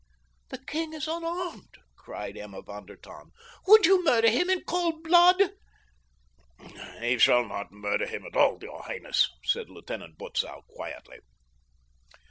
"The king is unarmed," cried Emma von der Tann. "Would you murder him in cold blood?" "He shall not murder him at all, your highness," said Lieutenant Butzow quietly.